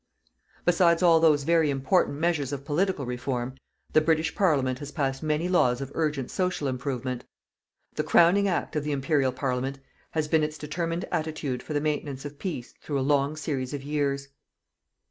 Besides all those very important measures of political reform, the British Parliament has passed many laws of urgent social improvement. The crowning act of the Imperial Parliament has been its determined attitude for the maintenance of peace through a long series of years.